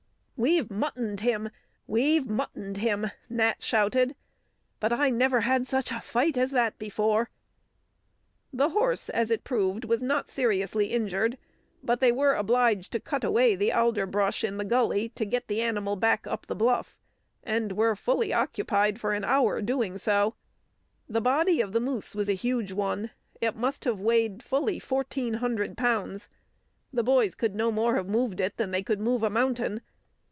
"We've muttoned him! We've muttoned him!" Nat shouted. "But I never had such a fight as that before." The horse, as it proved, was not seriously injured, but they were obliged to cut away the alder brush in the gully to get the animal back up the bluff, and were occupied for fully an hour doing so. The body of the moose was a huge one; it must have weighed fully fourteen hundred pounds. The boys could no more have moved it than they could move a mountain.